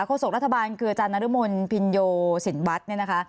โคโศกรัฐบาลคือจันนรมนศ์พินโยสินวัฒน์